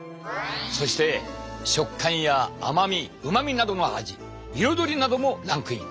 そして食感や甘みうまみなどの味いろどりなどもランクイン。